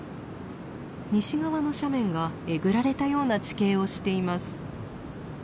西側の斜面がえぐられたような地形をしています。